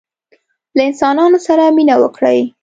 له انسانانو سره مینه وکړئ